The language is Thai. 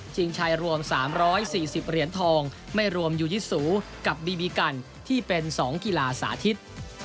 ชายรวม๓๔๐เหรียญทองไม่รวมยูยิสูกับบีบีกันที่เป็น๒กีฬาสาธิต